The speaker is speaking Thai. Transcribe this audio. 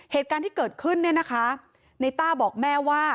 เหตุการณ์ที่เกิดขึ้นเนี่ยนะคะในต้าบอกแม่ว่า